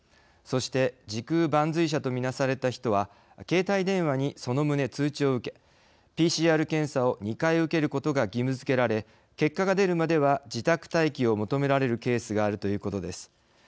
そして時空伴随者とみなされた人は携帯電話に、その旨、通知を受けＰＣＲ検査を２回受けることが義務づけられ結果が出るまでは自宅待機を求められるケースがあるということです。